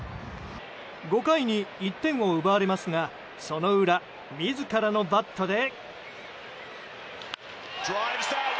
５回に１点を奪われますがその裏、自らのバットで。